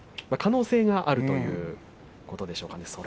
可能性があるということでしょうかね。